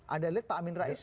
anda lihat pak amin rais